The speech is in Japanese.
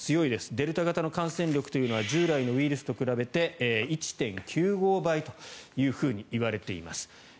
デルタ型の感染力というのは従来のウイルスと比べて１．９５倍といわれています。